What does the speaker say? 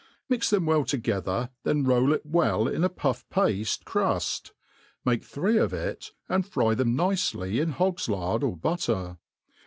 Mix them well together^ then roll it well in a pufF pafte cruft ; make three of it, and fry them nicely in hog's lard or butter.